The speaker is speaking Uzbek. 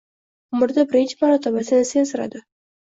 Umrida birinchi marotaba meni sensiradi.